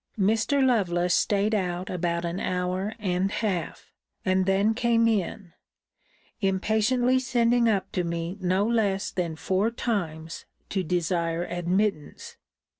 Mr. Lovelace staid out about an hour and half; and then came in; impatiently sending up to me no less than four times, to desire admittance.